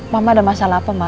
mama ada masalah apa mak